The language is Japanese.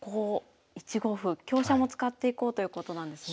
１五歩香車も使っていこうということなんですね。